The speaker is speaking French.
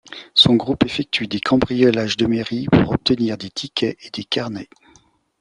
Son groupe effectue des cambriolages de mairie pour obtenir des tickets et des carnets.